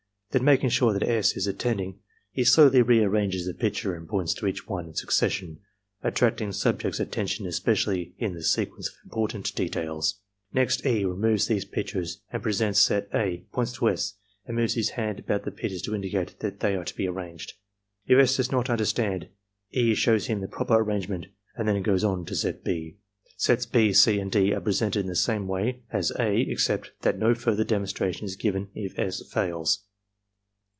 Then, making sure that S. is attending, he slowly rearranges the pictures and points to each one in succes sion, attracting subject's attention especially to the sequence of important details. Next E. removes these pictures and pre sents set (a), points to S., and moves his hand about the pictures to indicate that they are to be arranged. If S. does not under stand, E. shows him the proper arrangement and then goes on to set (6). Sets (6), (c), and (d) are presented in the same way as (a), except that no further demonstration is given if S. fails.